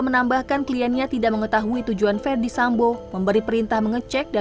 menambahkan kliennya tidak mengetahui tujuan verdi sambo memberi perintah mengecek dan